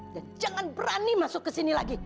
dan jangan berani masuk ke sini lagi